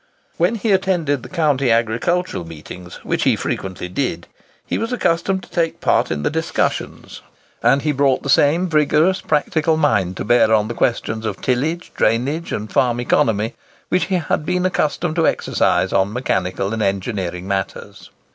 When he attended the county agricultural meetings, which he frequently did, he was accustomed to take part in the discussions, and he brought the same vigorous practical mind to bear upon questions of tillage, drainage, and farm economy, which he had been accustomed to exercise on mechanical and engineering matters.